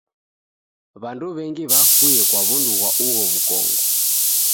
W'andu w'engi w'afue kwa w'undu ghwa ugho w'ukongo.